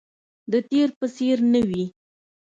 د تیر په څیر نه وي